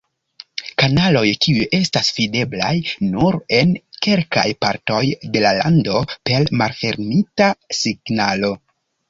Kanaloj kiuj estas videblaj nur en kelkaj partoj de la lando per malfermita signalo.